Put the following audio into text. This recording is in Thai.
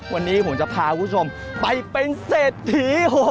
วันนี้ผมจะพาคุณผู้ชมไปเป็นเศรษฐี